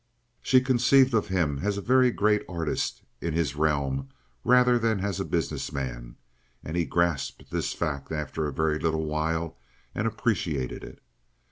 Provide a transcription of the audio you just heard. She conceived of him as a very great artist in his realm rather than as a business man, and he grasped this fact after a very little while and appreciated it.